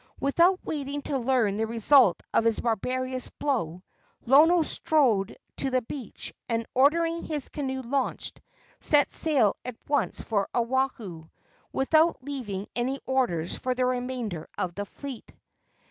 Without waiting to learn the result of his barbarous blow, Lono strode to the beach, and, ordering his canoe launched, set sail at once for Oahu, without leaving any orders for the remainder of the fleet.